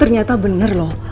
ternyata bener loh